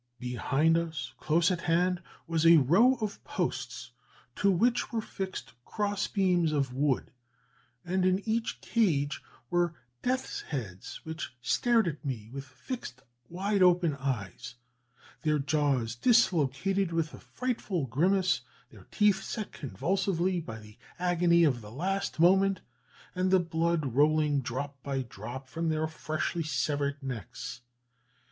Behind us, close at hand, was a row of posts to which were fixed cross beams of wood, and in each cage were death's heads, which stared at me with fixed, wide open eyes, their jaws dislocated with frightful grimaces, their teeth set convulsively by the agony of the last moment, and the blood rolling drop by drop from their freshly severed necks!